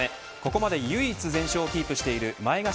ここまで唯一全勝をキープしている前頭